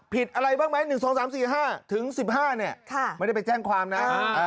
ผิดอะไรบ้างไหม๑๒๓๔๕ถึง๑๕เนี่ยไม่ได้ไปแจ้งความนะ